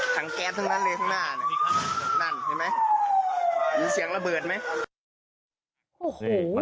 แก๊สทั้งนั้นเลยข้างหน้าเนี่ยนั่นใช่ไหมมีเสียงระเบิดไหม